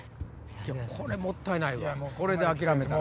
これもったいないわ諦めたら。